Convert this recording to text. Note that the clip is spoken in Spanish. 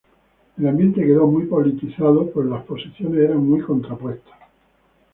El ambiente quedó muy politizado, pues las posiciones eran muy contrapuestas.